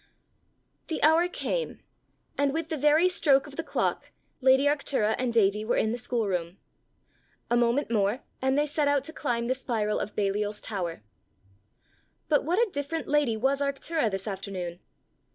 The hour came, and with the very stroke of the clock, lady Arctura and Davie were in the schoolroom. A moment more, and they set out to climb the spiral of Baliol's tower. But what a different lady was Arctura this afternoon!